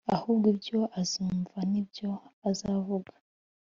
ahubwo ibyo azumva, ni byo azavuga: